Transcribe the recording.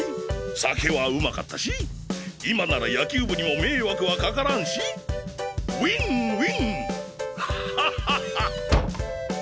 酒はうまかったし今なら野球部にも迷惑はかからんしＷＩＮＷＩＮはっはっは！